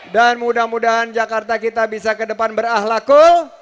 dan mudah mudahan jakarta kita bisa ke depan berahlaku